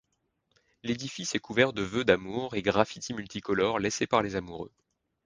L'édifice est couvert de vœux d'amour et graffitis multicolores laissés par les amoureux.